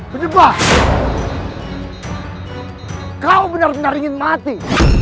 penyebab kau benar benar ingin mati